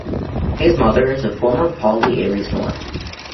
His mother is the former Polly Ayres Mellette.